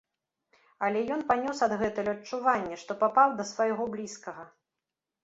Але ён панёс адгэтуль адчуванне, што папаў да свайго блізкага.